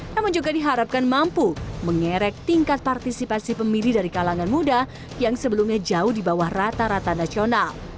namun juga diharapkan mampu mengerek tingkat partisipasi pemilih dari kalangan muda yang sebelumnya jauh di bawah rata rata nasional